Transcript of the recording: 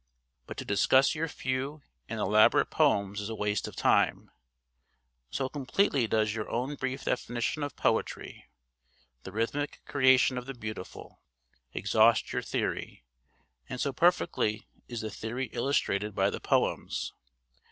But to discuss your few and elaborate poems is a waste of time, so completely does your own brief definition of poetry, 'the rhythmic creation of the beautiful,' exhaust your theory, and so perfectly is the theory illustrated by the poems.